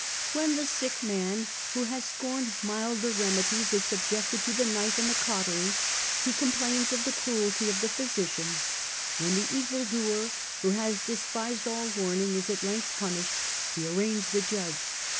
" When the sick man who has scorned milder remedies is subjected to the knife and the cautery, he complains of the cruelty of the physician : when the evildoer, who has despised all warning, is at length punished, he arraigns the judge.